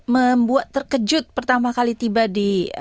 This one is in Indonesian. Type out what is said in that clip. membuat terkejut pertama kali tiba di